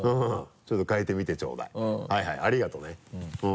ちょっと変えてみてちょうだいはいはいありがとうね。